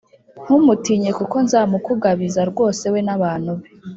ntumutinye kuko nzamukugabiza rwose we n abantu be